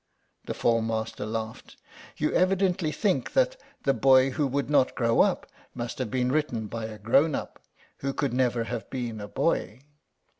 The form master laughed. "You evidently think that the 'Boy who would not grow up' must have been written by a 'grown up who could never have been a boy.